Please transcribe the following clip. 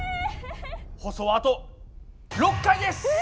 放送はあと６回です！え！